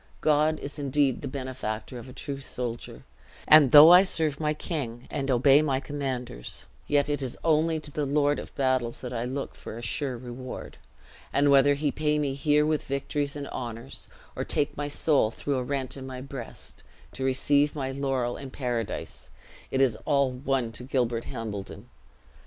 God is indeed the benefactor of a true soldier; and though I serve my king, and obey my commanders, yet it is only to the Lord of battles that I look for a sure reward. And whether he pay me here with victories and honors, or take my soul through a rent in my breast, to receive my laurel in paradise, it is all one to Gilbert Hambledon.